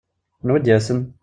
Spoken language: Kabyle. Anwa ad d-yasen?